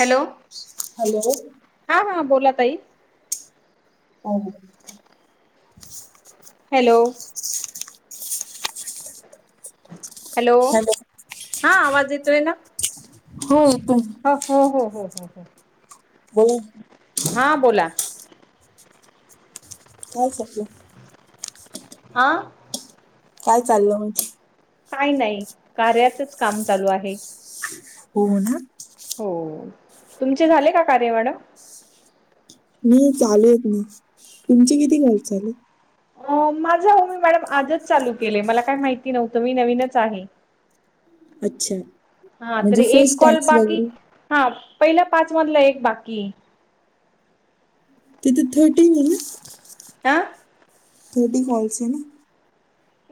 Hello hello हो हा हा बोला ताई. हो हॅलो हॅलो हा आवाज येतोय ना. हो ह हो हो हो [unintelligible] हा बोला. काँल सपला. आ काय चालल मग. काही नाही. कार्याचच काम चालू आहे. हो म्हणा. हो. तुमचे झाले का कार्य मॅडम. नाही चालू आहेत ना. तुमचे किती काँल झाले. अ माझं अहो मॅडम मी आजच चालू केलय. मला काही माहिती नव्हत. मी नवीनच आहे. अच्छा हा म्हणजे तरी एक फस्ट कॉल टॅक्स बाकी वगैरे हा म्हणजे पहिला पाचमधला एक बाकी आहे. तिथे थर्टीन आहे ना. अ थर्टी कॉलस आहे ना.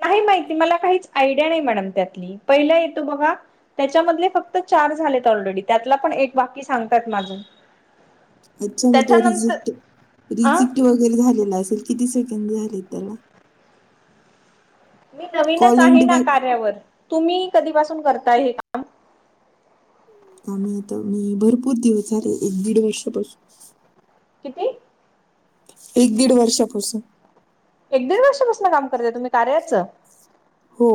नाही माहिती मला काहीच आयडिया नाही मॅडम त्यातली. पहिला येतो बघा त्याच्यामधले फक्त चार झालेत ऑलरेडी. त्यातला पण एक बाकी सांगतात म अजुन. अच्छा मग तो रिजेक्ट अ रिजेक्ट वगैरे झालेला असेल. किती सेकंड झाले त्याला. मी नवीनच कॉल एंड आहे ना बघ कार्यावर. तुम्ही कधीपासून करताय हे काम. आम्ही आता मी भरपूर दिवस झाले. एक दीड वर्षापासून किती? एक दीड वर्षापासून. एक दीड वर्षापासून काम करताय तुम्ही कार्याच. हो.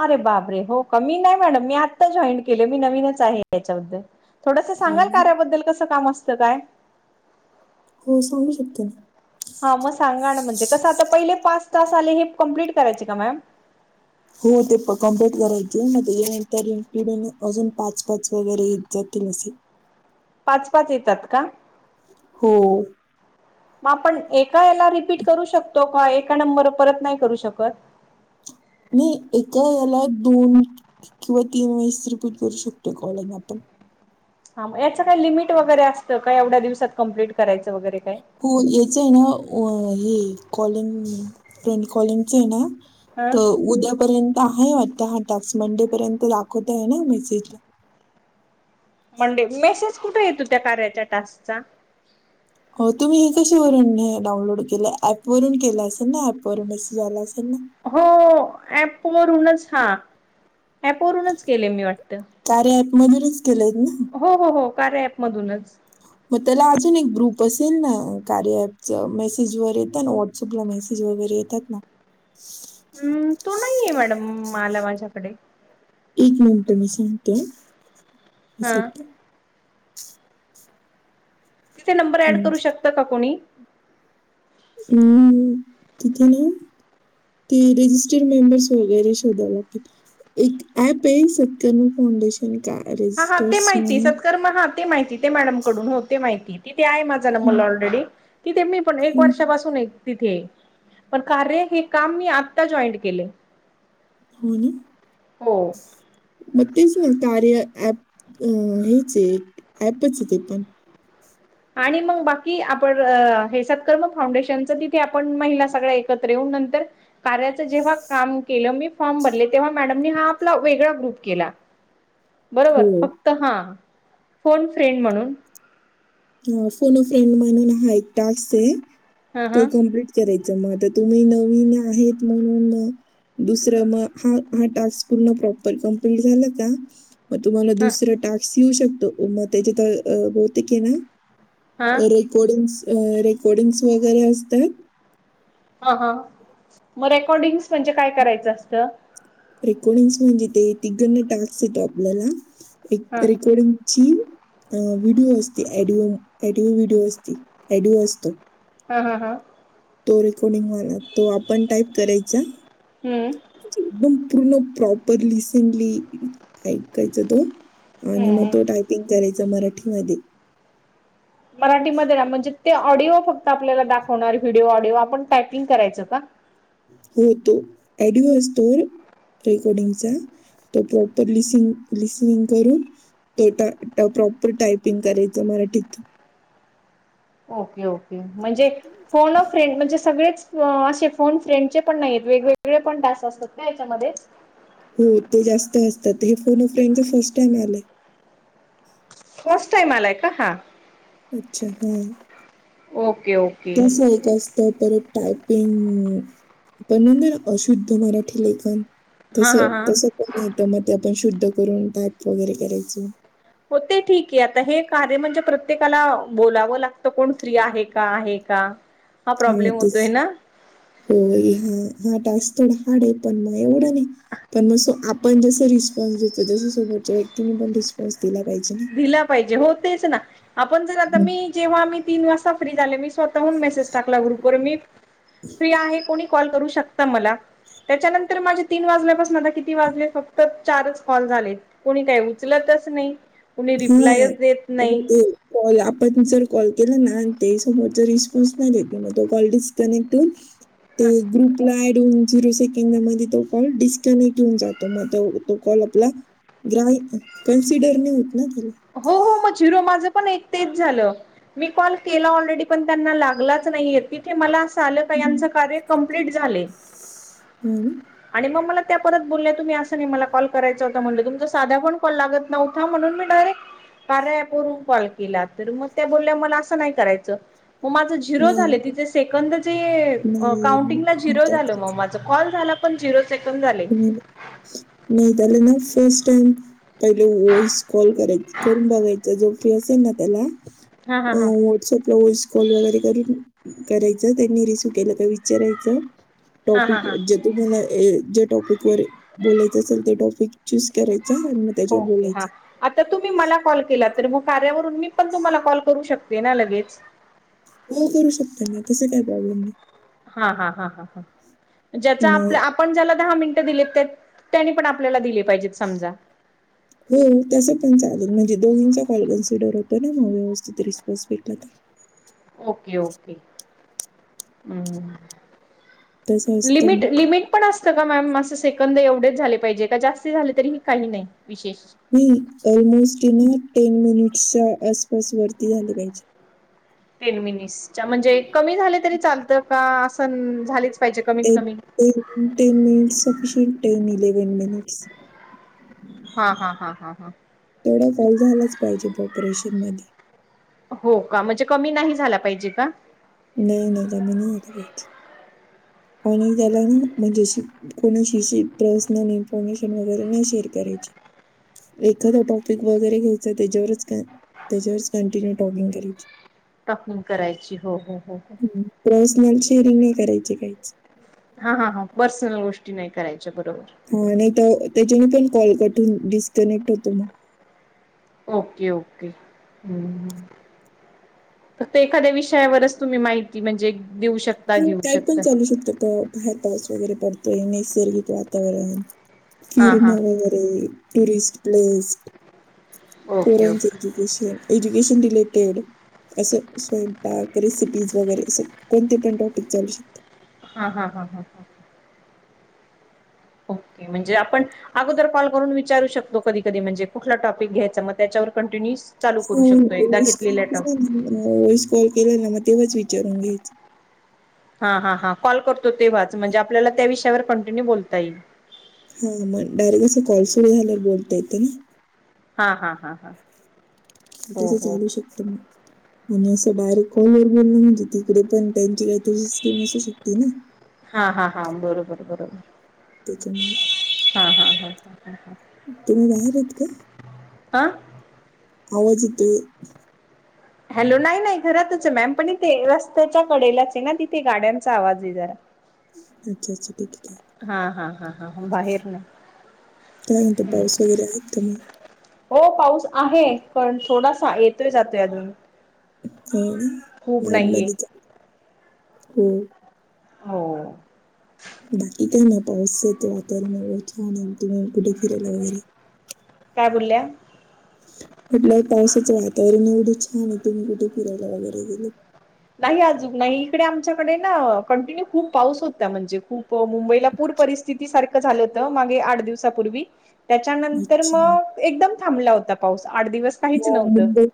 अरे बापरे. हो का. मी नाही मॅडम मी आत्ता जॉईन केले मी नवीनच आहे यांच्यामध्ये. थोडस हो सांगाल ना कार्याबद्दल कस काम असत काय? हो सांगू शकते. हा मग सांगा ना म्हणजे कस आता पहिले पाच टास्क आले हे कम्प्लीट करायचे का मॅम. हो ते प कम्प्लीट करायचे. मग त्याच्यानंतर ते पुढे अजून पाच पाच वगैरे येत जातील असे. पाच पाच येतात का? हो. म आपण एका याला रिपीट करू शकतो का? एका नंबर परत नाही करू शकत. नाही एका याला दोन किंवा तीन वेळेस रिपीट करू शकतो कॉल आपण. हा याच काय लीमिट वैगरे अस काय एवढ्या दिवसात कम्प्लीट करायच वगैरे काय. हो याच आहे ना हे कॉलिंग फ्रेंड कॉलिंगच आहे ना हा तर उद्यापर्यंत आहे वाटत हा टास्क. मंडे पर्यंत दाखवतो आहे ना मेसेज. मंडे. मेसेज कुठे येतो त्या कार्याच्या टास्कचा? हो तुम्ही हे कशावरून हे डाउनलोड केलं ऍप वरुन केल असेल ना. ऍपवरून मेसेज आला असेल ना. हो ॲप वरुनच हां कार्या ॲप वरूनच केलंयत ना? हो हो हो कार्य ॲप मधूनच मग त्याला अजून एक ग्रुप असेल ना कार्या ॲपच मेसेज वर येतनं व्हॉट [unintelligible] पला मेसेज वगैरे येतात ना हम्म तो नाहीये मॅडम मला माझ्याकडे एक मिनिटं मी सांगते हा असल तर तिथे नंबर ऍड दोन. करू शकत का कोणी? हम् तिथे नायी ते रेजिस्टर्ड मेंबर्स वगैरे शोधावे लागतात एक ॲपय सत्कर्म फाउंडेशन का हा हा ते रजिस्टर्स माहिती म्हणुन सत्कर्म हा ते माहिती ते मॅडम कडून हो माहिती तिथे आहे माझा नबर हं, ऑलरेडी तिथे मी पण एक हं, वर्षापासून एक तिथें पण कार्य हे काम मी आत्ता जॉईंड केलेय हो ना हो मग तेच ना कार्या ॲप अ हेच एक ॲपच ते पण आणि मग बाकी आपण हे सत्कर्म फाउंडेशनच तिथें आपण महिला सगळ्या एकत्र येऊन नंतर कार्याचं जेव्हा काम केलं मी फॉर्म भरले तेव्हा मॅडम नी हा आपला वेगळा ग्रुप केला. ह [inaudible] बरोबर फक्त हा फोन फ्रेंड म्हणून हो फोनो फ्रेंड म्हणून हा एक टास्कय ह ह तो कपम्लीट विचारायचं मग आता तुम्ही नवीन आहेत म्हणून म दुसरं मग हा हा टास्क पूर्ण प्रॉपर कमप्लीट झाला का? मग तुम्हाला ह दुसर टास्क येऊ शकतो मग त्याच्या तर बहुतेक हे ना हा रेकॉर्डिंग्स, रेकॉर्डिंग्स वगैरे असतं हा हा मग रेकॉर्डिंग्स म्हणजे काय करायचं असतं? रेकॉर्डिंग्स म्हणजे ते तिकडनं टास्क येतो आपल्याला ह एक रेकॉर्डिंग चीन व्हिडिओ असते ऑडिओ ॲडिओ व्हिडिओ असते ॲडिओ असतो हा हा हा तो रेकॉर्डिंगवाला तो आपण टाईप करायचा हम्म म्हणजे एकदम पूर्ण प्रॉपरली रिसेंडली ऐकायचा तो आणि हम्म मग हम्म तो टायपिंग करायचा मराठीमध्ये मराठीमध्ये ना म्हणजे ते ऑडिओ फक्त आपल्याला दाखवणार व्हिडिओ ऑडिओ आपण टायपिंग करायचं का? हो तो ॲडिओ असतो रेकॉर्डिंगचा तो प्रॉपरलि लि लिसनिंग करून तो प्रॉपर टायपिंग करायचं मराठीत ओके ओके म्हणजे फोन फ्रेंड म्हणजे सगळेच असे फोन फ्रेंडचे पण नाहय रत वेगवेगळे पण तास असतात ना याच्यामध्ये हो ते जास्त असतात हे फोन फ्रेंडचं फर्स्ट टाइम आलय फर्स्ट टाइम आलाय का हा? अच्छा हम् ओके ओके तसय असत टायपिंग पण म्हणलं ना अशुद्ध मराठी लेखन तस हा हा हा. तस का नाही इथं मग ते आपण शुद्ध करून ताप वगैरे करायचो हो ते ठीकये आता हे कार्य म्हणजे प्रत्येकाला बोलावं लागतं कोण फ्री आहे का आहे. ह [inaudible] हं तेच होय हा हा टास्क थोडा हाडय पण मग एवढं नाही. पण मो आपण जस रिस्पॉन्स देतो तसं समोरचटरच्या व्यक्तीने पण रिस्पॉन्स दिला पाहिजे ना? दिला पाहिजे. हो तेच ना, आपण जर आता मी जेव्हा मी तीन वाजता फ्री झाले मी स्कू स्वतःहून मेसेज टाकला ग्रुप वर मी. फ्री आहे को कॉल करू शकता मला. त्याच्यानंतर माजे तीन वाजल्या पसन आता किती वाजले? फक्त चारच कॉल झाले. कोणी काही उचलतच नाइ हम्म [unintelligible] कॉल आपण जर कॉल केला ना ते समोर च रिस्पॉन्स नाही देते. मग तो कॉल डिस्कनेक्ट होऊन ते ग्रुप ॲड होऊन. झिरो सेकंदा मध्ये तो कॉल डिस्कनेक्ट होऊन जातो मग त तो कॉल आपला [unintelligible] कन्सिडर नाही होत ना पण? हो हो मग झिरो माझं पण एक तेच झालं. मी कॉल केला ऑलरेडी पण त्यांना लागलाच नाहीय तिथे मला आस स आल का यांचं कार्य कंप्लीट झाले. हम्म. आणि मग मला त्या परत बोलल्या तुम्ही असं नाही मला कॉल करायचां होता. म्हटलं तुमचं साधा कोण कॉल लागत न्हवता म्हणून मी डायरेक्ट कार्या ॲप वरून कॉल केला. तर मग त्या बोलल्या मला असं नाही करायचं. मग माझं झिरो नाही झालं. तिथे सेकंद काउंटिंगला नाही झिरो झालं मग माझं कॉल झाला, पण झिरो सेकंद झाले. नाही, त्याला ना फस्ट टाइम पहिले वॉइस कॉल कराय करून बघायचा. जो, फ्री असेल ना त्याला हा हा अ हा व्हॉट्स ॲप ला व्हॉईस कॉल वगैरे करून करायच त्यांनी रिसव केलं का विचारायच हा हा टॉपिक हा तुम्हाला ये जे टॉपिक वर बोलायचं असेल ते टॉपिक चूस करायचं. आणि म ते ओके. हा. आता तुम्ही मला कॉल केला तर मग कार्यावरून मी पण तुम्हाला कॉल करू शकते ना लगेच? हो करू शकते ना, तसं काही प्रॉब्लेम नाही. हा-हा-हा-हा-हा. ज्याचा मग आपल्या आप पण ज्याला दहा मिनटं दिलेत, त्या-त्यानी पण आपल्याला दिले पाहिजेत समजा [inaudible] हो. तसं पण चालेल म्हणजे दोन्हींचा कॉल कन्सिडर होतो ना मग, व्यवस्थित रिस्पॉन्स भेटला तर ओके, ओके. हम्म्. तसं असतं मग लिमिट-लिमिट पण असत का मॅम असं सेकंद एवढेच झाले पाहिजे, का जास्त झाले तरी काही नाही विशेष? नाही ऑलमोस्ट हे ना, टेन मिनिट्च्या आसपास वरती झाले पाहिजे. टेन मिनिट्सच्या म्हणजे कमी झाले तरी चालतं का? असंनं झालेच पाहिजे कमीत एक कमी? एक ten minutes sufficient, ten eleven minutes. हा-हा-हा-हा-हा. तेवढा कॉल झालाच पाहिजे, प्रॉपरेशन मध्ये हो का, म्हणजे कमी नाही झाला पाहिजे का? नाही-नाही, कमी नाई झाला पायजे. [unintelligible] झाला ना म्हणजे शी कोणाशीही, पर्सनल इन्फॉर्मेशन वगैरे नाही शेअर करायची. एखादां टॉपिक वगैरे घ्यायचा त्याच्यावरच क, त्याच्यावरच कंटिन्यू टॉकींग करायची. टाॅकींग करायची, हो-हो-हो. हं, पर्सनल शेअरिंग नाही करायची काहीच. हा-हा-हा पर्सनल गोष्टी, नाही करायच्या. बरोबर हा नाही तर, त्याच्यानी पण कॉल कट होवून डिस्कनेक्ट होतो मग ओके, ओके. हम्म्. फक्त एखाद्या विषयावरच, तुम्ही माहिती म्हणजे देऊ शकता हो, घेऊ काही पण शकता चालू शकतो. बाहेर पाऊस वगैरे पडतोय, नैसर्गिक वातावरण हा हा फिरणं, वगैरे टुरिस्ट प्लेस. ओके पोरांचं ओके एज्यूकेशन, एज्युकेशन रिलेटेड असं स्वयंपाक, रेसिपीज वगैरे असं कोणते पण टॉपिक चालू शकतात. हा.. हा.. हा.. हा.. हा. ओके म्हणजे आपण अगोदर कॉल करून, विचारू शकतो कधीकधी, म्हणजे कुठला टॉपिक घ्यायचा, मग त्याच्यावर कंटिन्यूअस चालू करू शकतो, व्हॉइस एकदा घेतलेल्या कॉल टॉपीक केला व्हॉइस कॉल केला ना, मग तेव्हाच विचारून घ्यायचं. हा, हा, हा, कॉल करतो तेव्हाच, म्हणजे आपल्याला त्या विषयावर कंटिन्यू बोलता येईल. हा मग डायरेक्ट असं, कॉल सुरू झाल्यावर बोलता येतं ना. हा, हा, हा, हा. हो तसं हो चालू शकतं, मग. आणि असं डायरेक्ट कॉल वर बोललं म्हणजे, तिकडे पण त्यांची काहीतरी सिस्टीम असू शकते ना? हा, हा, हा, बरोबर-बरोबर. त्याच्यामुळे. हा, हा, हा, हा, हा, हा. तुम्ही बाहेर आहेत का. आं. आवाज येतोय. हॅलो नाही नाही घरातच आहे मॅम पण इथे रस्त्याच्या कडेलाच आहे ना तिथे गाड्यांचा आवाज आहे जरा. अच्छा-अच्छा, ठीक-ठीक आहे.. हा.. हा.. हा. हा, बाहेर नाही. काय म्हणतो हम्म्.. पाऊस वगैरे आहेत का मग हो, पाऊस आहे. पण थोडासा येतोय-जातो अधून हो, ना? नाहीये नाॅर्मलच आहे, हो. हो. बाकी काही नाही. पाऊस येतो, वातावरण एवढं छान आहे. आणि तुम्ही कुठे फिरायला वगैरे काय बोलल्या. म्हटलं पावसाचं वातावरण एवढं छान आहे तुम्ही कुठे फिरायला वगैरे गेलेत. नाही अजून नाही इकडे आमच्याकडे ना कंटिन्यू खूप पाऊस होता म्हणजे खूप मुंबईला पूर परिस्थ. स्थिती सारखं झालं होत मागे आठ दिवसापूर्वी. त्याच्यानंतर अच्छा मग एकदम थांबला होता पाऊस आठ दिवस. काहीच हो नव्हतं. मुंबई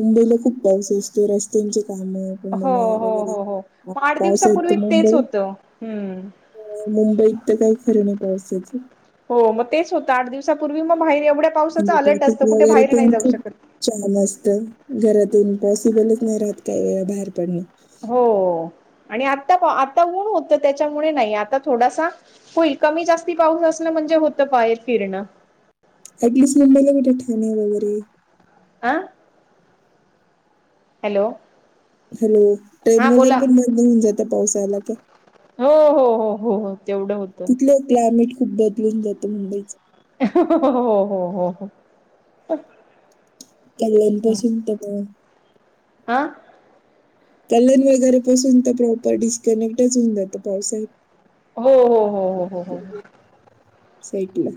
मुंबईला खूप पाऊस असतो रस्त्यांचे काम. हो हो वगैरे हो हो मग आठ पाऊस आहे का दिवसापूर्वी तेच मुंबईत. होतं हम्म. मुंबईत तर काही खरं नाही पावसाचं. हो मग तेच होतं आठ दिवसाांपूर्वी मग बाहेर एवढ्या पावसाचं अलर्ट असतं कुठे बाहेर नाही जाऊ शकत. चांगलं असत घरातून पॉसिबलच नाही राहत काही वेळा बाहेर पडणं. हो आणि आता आता ऊन होतं त्याच्यामुळे नाही आता थोडासा. होईल कमी जास्ती पाऊस असल म्हणजे होतं बाहेर फिरणं. ऍटलीस्ट म्हंबईला कुठे ठाणे वगैरे. आं. हॅलो. हॅलो ट्रेन हा वगैरे बोला. पण बंद होऊन जातं पाऊस आला तर. हो हो हो हो हो तेवढं होत. तुथलं क्लायमेट खूप बदलून जातं मुंबईच. हो हो हो हो. हो कल्याणपासून तर. हा. कल्याण वगैरे पासून तर प्रॉपर डिस्कनेक्टच होऊन जातं पावसात. हो हो हो हो हो हो हो. सोड तिला.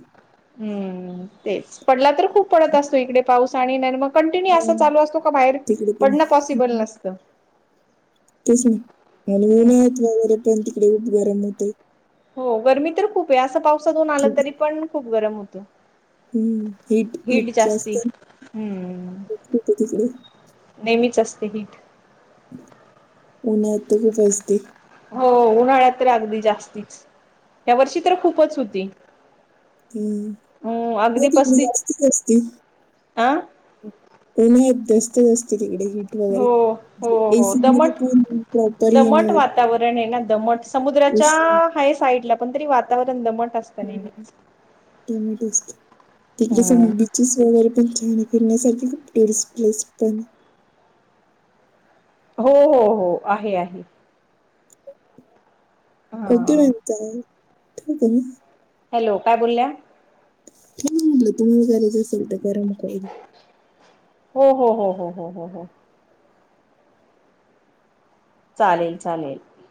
हम्म तेच पडला तर खूप पडत असतो इकडे पाऊस आणि मग कंटिन्यू अस हम्म, चालू असतो का बाहेर तिकडे पण पडणं पॉसिबल हम्म. नसतं. तेच ना आणि हम्म. उन्हाळ्यात वगैरे पण तिकडे गरम होते. हो गरमी तर खूप आहे असं पावसातून आलं खूप तरी पण खूप गरम होतं. हीट जास्ती हम्म. होते तिकडे नेहमीच असते हीट. उन्हाळ्यात तर खुपच असते. हो उन्हाळ्यात तर अगदी जास्तीच या वर्षी तर खूपच होती. हम्म अ नाही तर् जास्तीच असते. आं. उन्हाळ्यात जास्त असत तिकडे हिट. हो हो हो दमट. पण प्रॉपर हे नाही दमट होत वातावरण आहे ना दमट समुद्राच्या उशी आहे साईडला पण तरी वा. वातावरण दमट असतं नाही. तिकडे हम्म सगळे बिचेस वगैरे पण तिकडे फिरण्यासाठी टुरिस्ट प्लेस पण हो हो हो आहे आहे. हा [inaudible] हॅलो काय बोलल्या. म्हटलं तुम्हाला करायचं असेल तर करून मोकळ्या व्हा. हो हो हो हो हो हो हो. चालेल चालेल.